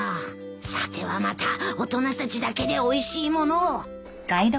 さてはまた大人たちだけでおいしい物を。